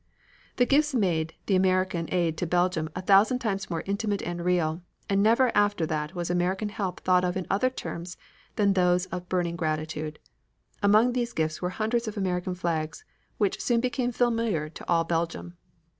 These gifts made the American aid to Belgium a thousand times more intimate and real, and never after that was American help thought of in other terms than those of burning gratitude. Among these gifts were hundreds of American flags, which soon became familiar to all Belgium.